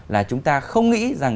là chúng ta không nghĩ rằng